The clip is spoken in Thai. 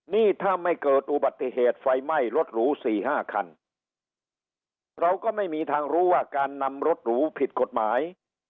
นี่ถ้าไม่เกิดอุบัติเหตุไฟไหม้รถหรูสี่ห้าคันเราก็ไม่มีทางรู้ว่าการนำรถหรูผิดกฎหมาย